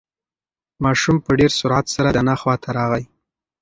ماشوم په ډېر سرعت سره د انا خواته راغی.